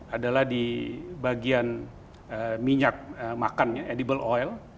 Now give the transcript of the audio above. adalah di bagian minyak makannya edible oil